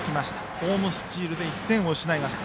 ホームスチールで１点を追加しました。